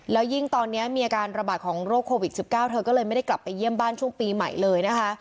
แล้วยิ่งตอนนี้มีอาการระบาดของโรคโควิด๑๙เธอก็เลยไม่ได้กลับไปเยี่ยมบ้านช่วงปีใหม่เลยนะคะ